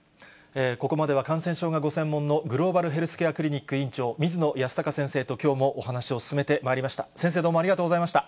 ここまでは感染症がご専門の、グローバルヘルスケアクリニック院長、水野泰孝先生と、きょうもお話を進めてまいりました。